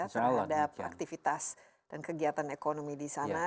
terhadap aktivitas dan kegiatan ekonomi disana